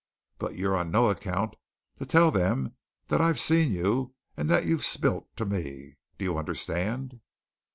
But you're on no account to tell them that I've seen you and that you've spilt to me do you understand?"